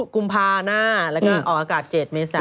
กุมภานะแล้วก็ออกอากาศเจ็ดเมษายน